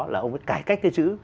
là ông đã cải cách cái chữ